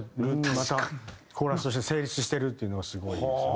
またコーラスとして成立してるっていうのがすごいですよね。